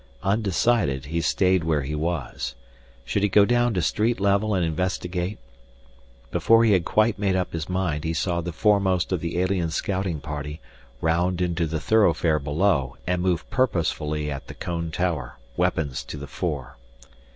Undecided, he stayed where he was. Should he go down to street level and investigate? Before he had quite made up his mind he saw the foremost of the alien scouting party round into the thoroughfare below and move purposefully at the cone tower, weapons to the fore.